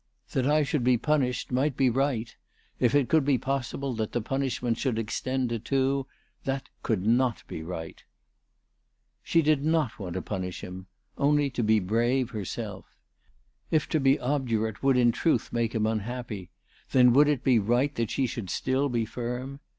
"That I should be punished might be right. If it could be possible that the punishment should extend to two, that could not be right." She did not want to punish him, only to be brave herself. If to be obdurate would in truth make him unhappy, then would it be right that she should still be firm